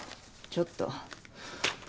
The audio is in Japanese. ちょっと。